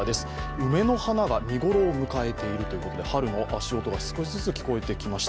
梅の花が見頃を迎えているということで春の足音が少しずつ聞こえてきました。